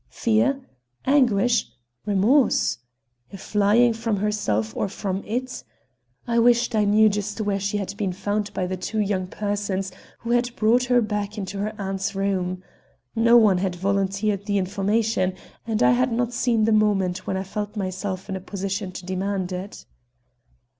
Fear? Anguish? Remorse? A flying from herself or from it? I wished I knew just where she had been found by the two young persons who had brought her back into her aunt's room. No one had volunteered the information, and I had not seen the moment when I felt myself in a position to demand it.